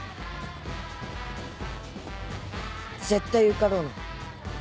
絶対受かろうな。